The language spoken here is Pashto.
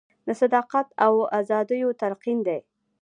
د صداقت او ازادیو تلقین دی.